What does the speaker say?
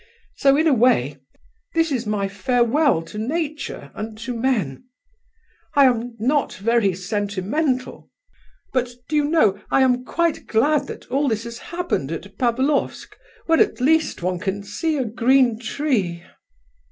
So, in a way, this is my farewell to nature and to men. I am not very sentimental, but do you know, I am quite glad that all this has happened at Pavlofsk, where at least one can see a green tree."